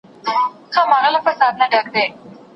که ځوانان ويښ سي تر پخوا به ښه کار وکړي.